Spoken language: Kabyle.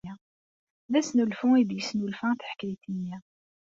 D asnulfu ay d-yesnulfa taḥkayt-nni.